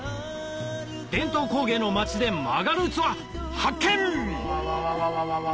伝統工芸の町で曲がる器発見！わわわ。